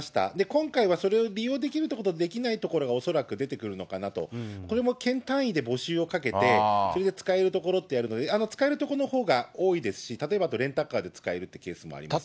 今回はそれを利用できるところと、できないところが恐らく出てくるのかなと、これも県単位で募集をかけて、それで使えるところとやるので、使える所のほうが多いですし、例えばレンタカーで使えるというケースもあります。